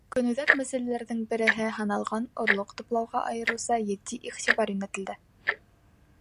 Көнүҙәк мәсьәләләрҙең береһе һаналған орлоҡ туплауға айырыуса етди иғтибар йүнәлтелде.